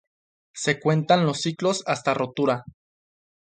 Se cuentan los ciclos hasta rotura.